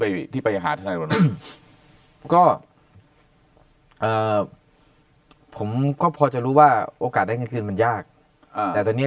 ไปที่ไปหาก็ผมก็พอจะรู้ว่าโอกาสได้คืนมันยากแต่ตอนนี้